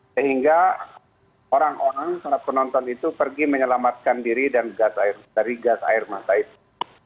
sehingga orang orang para penonton itu pergi menyelamatkan diri dan dari gas air mata itu